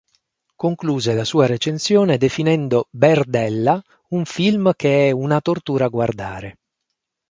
Concluse la sua recensione definendo "Berdella" un film che è "una tortura guardare".